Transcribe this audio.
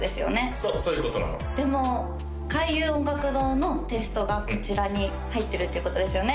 そうそういうことなのでも開運音楽堂のテイストがこちらに入ってるっていうことですよね